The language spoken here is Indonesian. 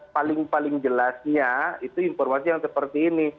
paling paling jelasnya itu informasi yang seperti ini